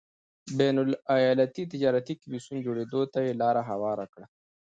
بین الایالتي تجارتي کمېسیون جوړېدو ته یې لار هواره کړه.